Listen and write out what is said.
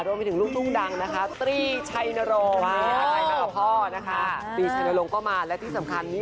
รวมไปถึงลูกชุ่มดังนะคะ